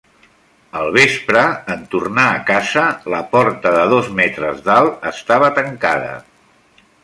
A la tarda, en tornar a casa, la porta de dos metres d'alt estava tancada.